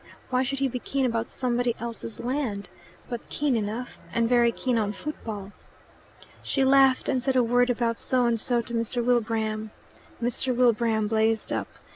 Why should he be keen about somebody else's land? But keen enough. And very keen on football." She laughed, and said a word about So and so to Mr. Wilbraham. Mr. Wilbraham blazed up.